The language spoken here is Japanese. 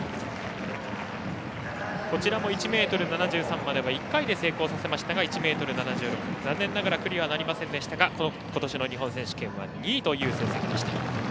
こちらも１ｍ７３までは１回で成功させましたが１ｍ７６残念ながらクリアはなりませんでしたがことしの日本選手権は２位という成績でした。